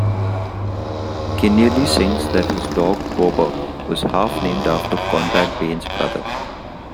Keneally sings that his dog, Bober, was “half-named after Conrad Bain’s brother.”